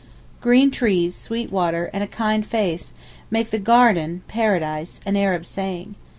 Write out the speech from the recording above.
Green trees, sweet water, and a kind face, make the "garden"' (paradise), an Arab saying.